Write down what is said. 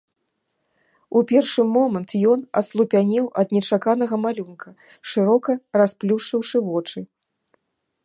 У першы момант ён аслупянеў ад нечаканага малюнка, шырока расплюшчыўшы вочы.